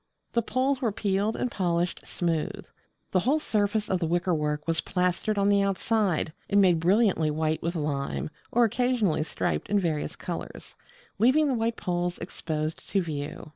The poles were peeled and polished smooth. The whole surface of the wickerwork was plastered on the outside, and made brilliantly white with lime, or occasionally striped in various colours; leaving the white poles exposed to view.